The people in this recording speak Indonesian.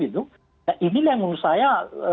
inilah yang menurut saya